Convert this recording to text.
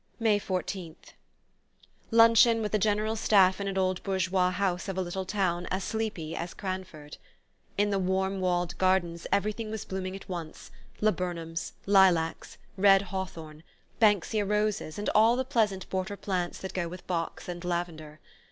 May 14th. Luncheon with the General Staff in an old bourgeois house of a little town as sleepy as "Cranford." In the warm walled gardens everything was blooming at once: laburnums, lilacs, red hawthorn, Banksia roses and all the pleasant border plants that go with box and lavender.